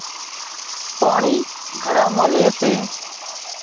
پاڻي گھڙا مان لي سي